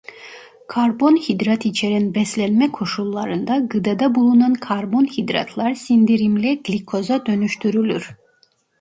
Karbonhidrat içeren beslenme koşullarında gıdada bulunan karbonhidratlar sindirimle glikoza dönüştürülür.